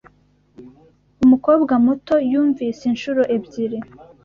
umukobwa muto, yumvise incuro ebyiri